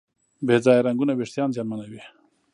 بې ځایه رنګونه وېښتيان زیانمنوي.